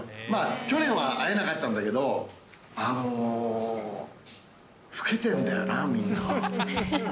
去年は会えなかったんだけど、あのー、老けてるんだよな、みんな。